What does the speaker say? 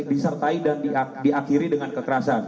disertai dan diakhiri dengan kekerasan